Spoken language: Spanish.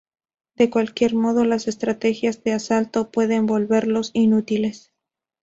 De cualquier modo, las estrategias de asalto pueden volverlos inútiles.